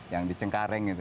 yang di cengkareng itu